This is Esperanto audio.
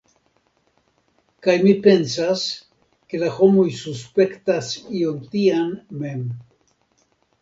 Kaj mi pensas, ke la homoj suspektas ion tian mem.